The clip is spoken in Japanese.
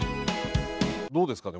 どうですかね？